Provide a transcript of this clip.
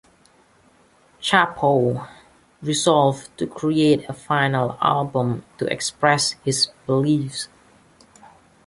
Cappo resolved to create a final album to express his beliefs.